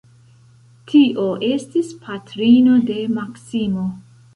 Tio estis patrino de Maksimo.